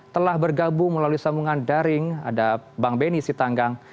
telah bergabung melalui sambungan daring ada bang benny sitanggang